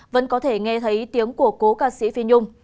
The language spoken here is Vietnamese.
vẫn có thể nghe thấy tiếng của cố ca sĩ phi nhung